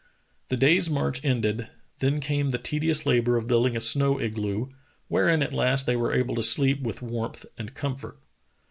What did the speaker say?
The day's march ended, then came the tedious labor of building a snow igloo, wherein at least they were able to sleep with warmth and comfort.